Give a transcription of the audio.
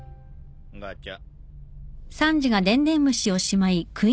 ガチャ。